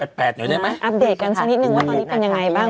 อัปเดตกันสักนิดนึงว่าตอนนี้เป็นยังไงบ้าง